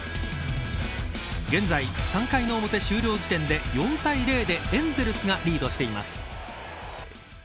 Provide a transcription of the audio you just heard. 現在、３回の表終了時点で４対０でエンゼルスがリードしています。